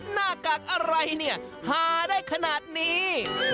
หน้ากากอะไรเนี่ยหาได้ขนาดนี้